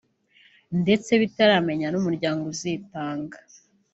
ndetse bitaramenya n’umuryango uzitanga